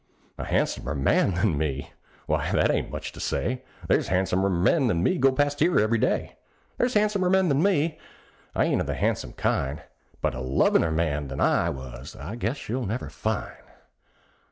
A han'somer man than me! Why, that ain't much to say; There's han'somer men than me go past here every day. There's han'somer men than me I ain't of the han'some kind; But a lovin'er man than I was I guess she'll never find.